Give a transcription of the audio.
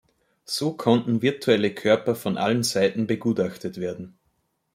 So konnten virtuelle Körper von allen Seiten begutachtet werden.